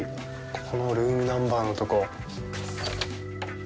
このルームナンバーのとこ。